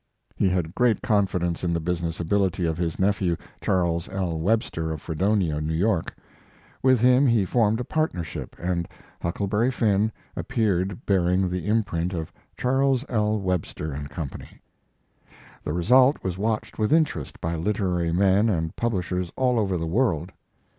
He had great confidence in the business ability of his nephew, Charles I,. Web ster of Fredonia, New York. With him he formed a partnership, and Huckleberry Finn" appeared bearing the imprint of Charles I,. Webster and Company. The result was watched with interest by literary men and publishers all over the world.